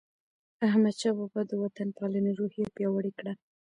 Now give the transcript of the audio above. احمدشاه بابا د وطن پالنې روحیه پیاوړې کړه.